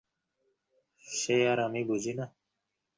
সে আর আমি বুঝি না?